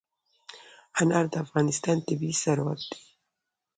انار د افغانستان طبعي ثروت دی.